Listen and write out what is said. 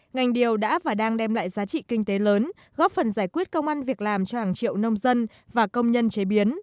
ngành điều đã và đang đem lại giá trị kinh tế lớn góp phần giải quyết công an việc làm cho hàng triệu nông dân và công nhân chế biến